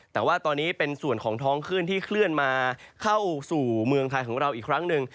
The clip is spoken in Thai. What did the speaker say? แต่ว่าตอนนี้เป็นส่วนของท้องขึ้นที่เคลื่อนมาเข้าสู่เมืองไทยของเราอีกครั้งหนึ่ง